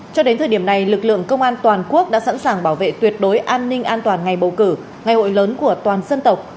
cho đến thời điểm này lực lượng công an toàn quốc đã sẵn sàng bảo vệ tuyệt đối an ninh an toàn ngày bầu cử ngày hội lớn của toàn dân tộc